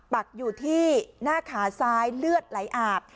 ปักอยู่ที่หน้าขาซ้ายเลือดไหลอาบ